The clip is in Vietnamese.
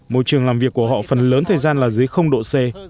môi trường làm việc của họ phần lớn thời gian là dưới độ c